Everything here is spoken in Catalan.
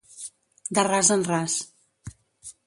De ras en ras.